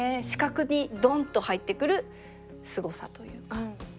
視覚にドンと入ってくるすごさというか。